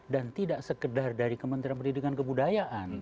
dan tidak sekedar dari kementerian pendidikan dan kebudayaan